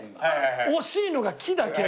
惜しいのが「木」だけ。